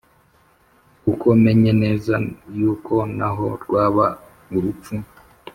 Kuko menye neza yuko naho rwaba urupfu,